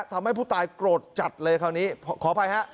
ทำให้ผู้ตายโกรธจัดเลยคราวนี้ขออภัยฮะ